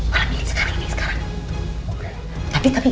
malam ini sekarang ini sekarang